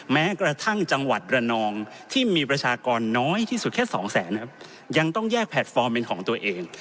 แม้กระทั่งจังหวัดระนองที่มีประชากรน้อยที่สุดแค่สองแสนนะครับยังต้องแยกแพลตฟอร์มเป็นของตัวเอง